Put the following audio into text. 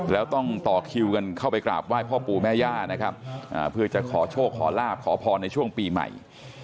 แล้วต้องต่อคิวกันเข้าไปกราบไหว้พ่อปู่แม่ย่านะครับเพื่อจะขอโชคขอลาบขอพรในช่วงปีใหม่